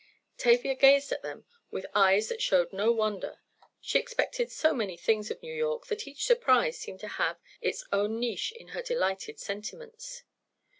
Tavia gazed at them with eyes that showed no wonder. She expected so many things of New York that each surprise seemed to have its own niche in her delighted sentiments.